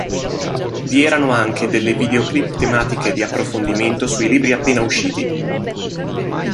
Vi erano anche delle videoclip tematiche di approfondimento sui libri appena usciti.